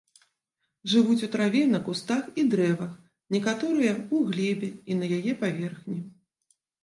Жывуць у траве, на кустах і дрэвах, некаторыя ў глебе і на яе паверхні.